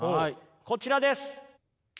こちらです。